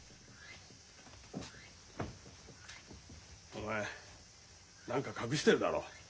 お前何か隠してるだろう。